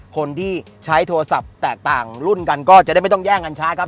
คนที่ใช้โทรศัพท์แตกต่างรุ่นกันก็จะได้ไม่ต้องแย่งกันช้าครับ